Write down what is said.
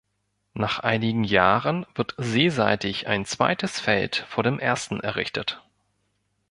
Nach einigen Jahren wird seeseitig ein zweites Feld vor dem ersten errichtet.